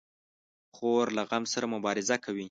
خور له غم سره مبارزه کوي.